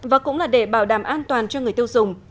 và cũng là để bảo đảm an toàn cho người tiêu dùng